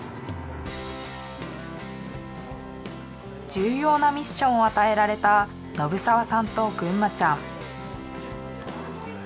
重要なミッションを与えられた信澤さんとぐんまちゃん。